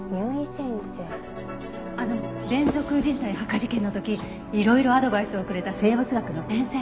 あの連続人体発火事件の時いろいろアドバイスをくれた生物学の先生。